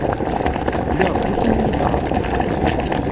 Lliɣ deg wusu mi iyi-d-teɣram.